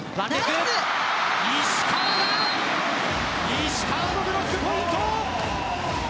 石川のブロックポイント。